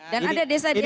dan ada desa desa juga